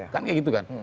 kan kayak gitu kan